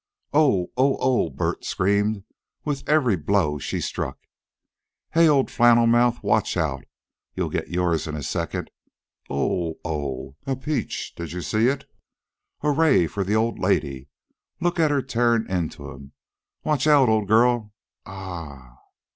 "Oh! Oh! Oh!" Bert screamed, with every blow she struck. "Hey, old flannel mouth! Watch out! You'll get yours in a second. Oh! Oh! A peach! Did you see it? Hurray for the old lady! Look at her tearin' into 'em! Watch out, old girl!... Ah h h."